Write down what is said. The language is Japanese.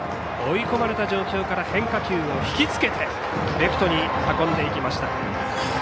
追い込まれた状況から変化球を引きつけてレフトに運んでいきました。